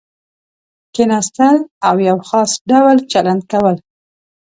کېناستل او یو خاص ډول چلند کول.